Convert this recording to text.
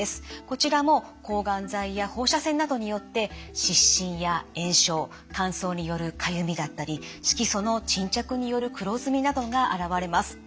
こちらも抗がん剤や放射線などによって湿疹や炎症乾燥によるかゆみだったり色素の沈着による黒ずみなどが現れます。